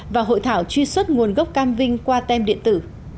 và hội thảo truy xuất nguồn gốc cam vinh qua tem điện tử